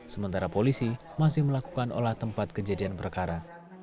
sementara polisi masih melakukan olah tempat kejadian perkara